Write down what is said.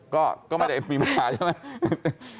ก็ไม่ได้มีประธานใช่ไหม